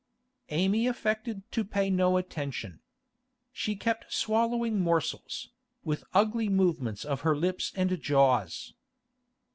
Amy affected to pay no attention. She kept swallowing morsels, with ugly movements of her lips and jaws.